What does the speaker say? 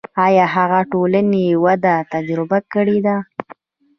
آیا هغه ټولنې وده تجربه کړې ده.